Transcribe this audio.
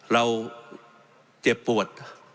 เราเจ็บปวด